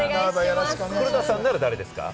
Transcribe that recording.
黒田さんなら誰ですか？